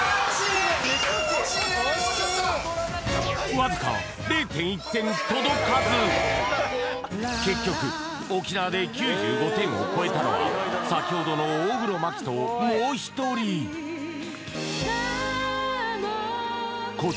わずか結局沖縄で９５点を超えたのは先ほどの大黒摩季ともう一人守